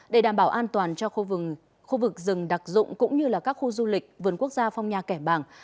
để đảm bảo an toàn cho khu vực rừng đặc dụng cũng như các khu du lịch vườn quốc gia phong nha kẻ bàng